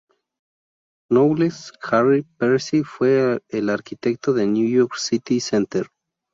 Knowles, Harry Percy fue el arquitecto del New York City Center.